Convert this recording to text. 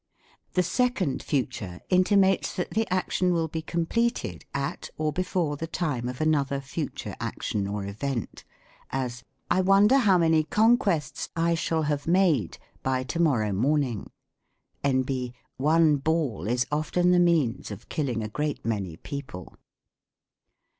'' The Second Future intimates that the action will be 68 THE COMIC ENGLISH GRAMBIAR. completed at or before the time of another future action or event ; as, " I wonder how many conquests I shall have made by to morrow morning." N. B. One ball is often the means of killing a great many people.